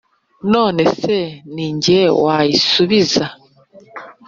none se ni jye wayisubiza,